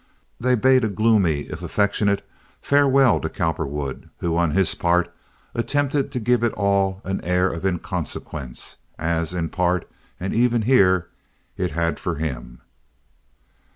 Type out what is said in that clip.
They bade a gloomy if affectionate farewell to Cowperwood, who, on his part, attempted to give it all an air of inconsequence—as, in part and even here, it had for him.